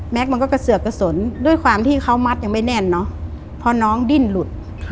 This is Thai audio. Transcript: มันก็กระเสือกกระสนด้วยความที่เขามัดยังไม่แน่นเนอะพอน้องดิ้นหลุด